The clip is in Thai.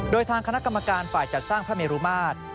โดยทางคณะกรรมการฝ่ายจัดสร้างพระเมรุมาตร